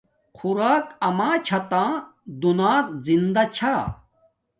خوراک اما چھا تہ دونات زندہ چھا